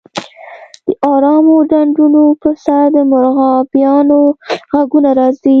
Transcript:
د ارامو ډنډونو په سر د مرغابیانو غږونه راځي